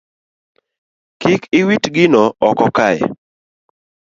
Kik iwit gino oko kae